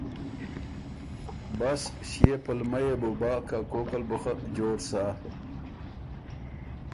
بس ݭيې پلمۀ يې بُو بۀ که کوکل بُو خه جوړ سۀ